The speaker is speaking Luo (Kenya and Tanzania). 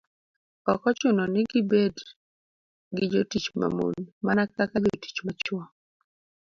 ok ochuno ni gibed gi jotich ma mon, mana kaka jotich ma chwo.